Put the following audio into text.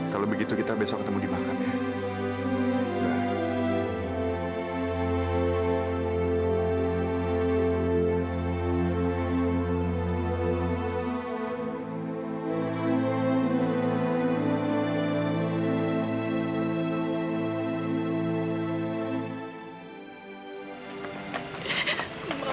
kalau begitu kita besok ketemu di makam ya